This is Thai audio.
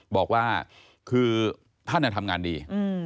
บอกว่าคือท่านทำงานดี